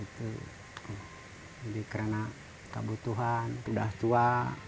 jadi karena kebutuhan udah tua